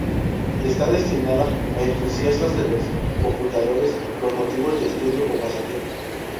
Está destinada a entusiastas de los computadores, con motivos de estudio o pasatiempo.